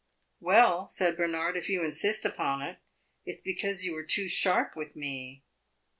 "Well," said Bernard, "if you insist upon it, it 's because you are too sharp with me."